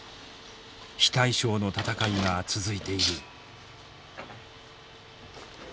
非対称の戦いが続いている。